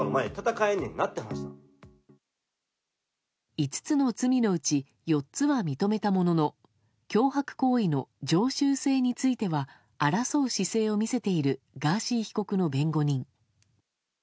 ５つの罪のうち４つは認めたものの脅迫行為の常習性については争う姿勢を見せているガーシー被告の弁護人。